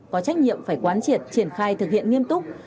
có trách nhiệm phải quán triệt triển khai thực hiện nghiêm túc